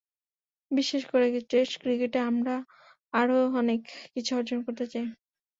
বিশেষ করে টেস্ট ক্রিকেটে আমরা আরও অনেক কিছু অর্জন করতে চাই।